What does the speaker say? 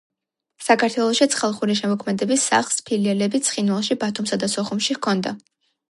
საქართველოშიც ხალხური შემოქმედების სახლს ფილიალები ცხინვალში, ბათუმსა და სოხუმში ჰქონდა.